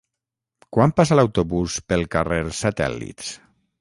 Quan passa l'autobús pel carrer Satèl·lits?